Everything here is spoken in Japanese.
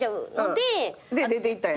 で出ていったんや。